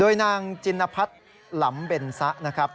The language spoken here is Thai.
นางจินพัฒน์หลำเบนซะนะครับ